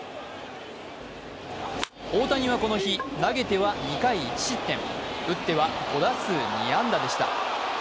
大谷はこの日、投げては２回１失点、打っては５打数２安打でした。